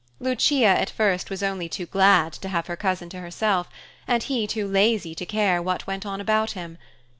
Lucia at first was only too glad to have her cousin to herself, and he too lazy to care what went on about him.